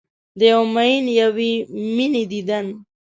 د یو میین یوې میینې دیدن